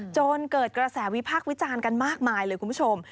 จนเกิดกระแสวิพากษ์วิจารณ์กันมากมายเลยคุณผู้ชม